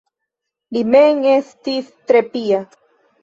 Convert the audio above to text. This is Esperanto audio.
Li mem estis tre pia.